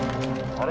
あれ？